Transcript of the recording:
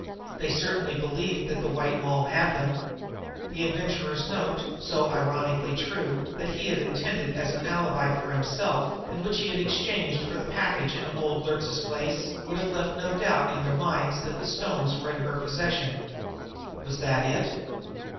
They certainly believed that the White Moll had them. The Adventurer's note, so ironically true, that he had intended as an alibi for himself, and which he had exchanged for the package in old Luertz's place, would have left no doubt in their minds but that the stones were in her possession. Was that it?